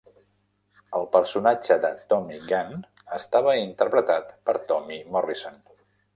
El personatge de Tommy Gunn estava interpretat per Tommy Morrison.